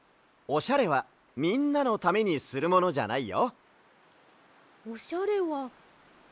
オシャレはみんなのためにするものじゃない？